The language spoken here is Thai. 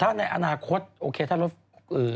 ถ้าในอนาคตโอเค